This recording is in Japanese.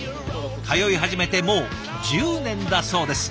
通い始めてもう１０年だそうです。